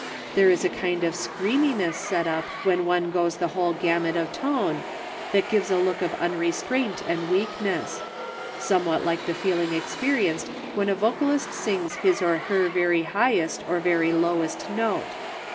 There is a kind of screaminess set up when one goes the whole gamut of tone, that gives a look of unrestraint and weakness; somewhat like the feeling experienced when a vocalist sings his or her very highest or very lowest note.